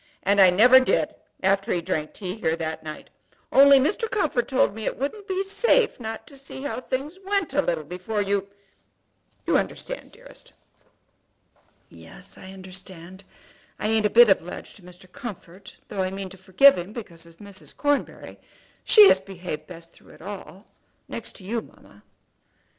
And I never did after he drank tea here that night; only Mr. Comfort told me it wouldn't be safe not to see how things went a little before you, you understand, dearest?" "Yes, I understand. I ain't a bit obliged to Mr. Comfort, though I mean to forgive him because of Mrs. Cornbury. She has behaved best through it all, next to you, mamma."